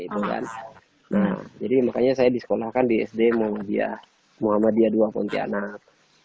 nah jadi makanya saya disekolahkan di sd muhammadiyah ii pontianak